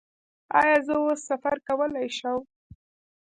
ایا زه اوس سفر کولی شم؟